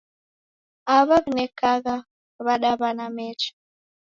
Awa w'inekaha w'adaw'ada mecha.